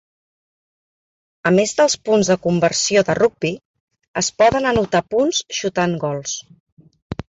A més dels punts de conversió de rugbi, es poden anotar punts xutant gols.